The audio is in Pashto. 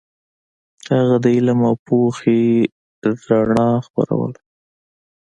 هغه د علم او پوهې رڼا خپروله.